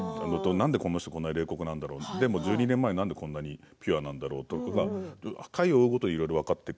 なんでこの人こんなに冷酷なんだろうでも１２年前、なんでこんなにピュアなんだろう回を追うごとに分かっていく。